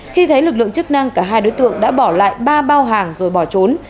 khi thấy lực lượng chức năng cả hai đối tượng đã bỏ lại ba bao hàng rồi bỏ trốn